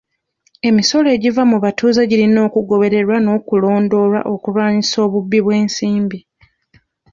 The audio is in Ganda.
Emisolo egiva mu batuuze girina okugobererwa n'okulondoolwa okulwanisa obubbi bw'ensimbi.